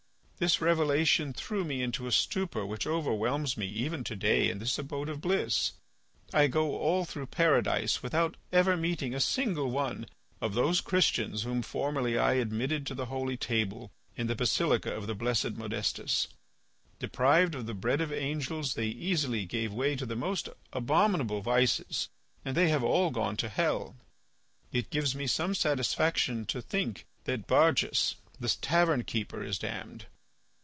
This revelation threw me into a stupor which overwhelms me even to day in this abode of bliss. I go all through Paradise without ever meeting a single one of those Christians whom formerly I admitted to the holy table in the basilica of the blessed Modestus. Deprived of the bread of angels, they easily gave way to the most abominable vices, and they have all gone to hell. It gives me some satisfaction to think that Barjas, the tavern keeper, is damned.